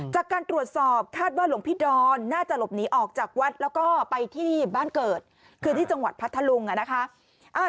จากการตรวจสอบคาดว่าหลวงพี่ดอนน่าจะหลบหนีออกจากวัดแล้วก็ไปที่บ้านเกิดคือที่จังหวัดพัทธลุงอ่ะนะคะ